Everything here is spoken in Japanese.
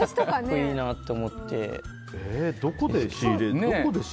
どこで仕入れるの？